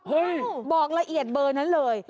บอกละเอียดเบอร์นั้นเลย